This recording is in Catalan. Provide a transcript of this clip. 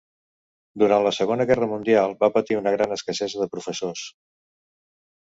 Durant la Segona Guerra Mundial va patir una gran escassesa de professors.